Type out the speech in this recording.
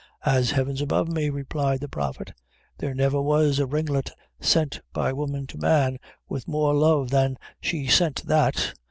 "As Heaven's above me," replied the Prophet, "there never was a ringlet sent by woman to man with more love than she sent that.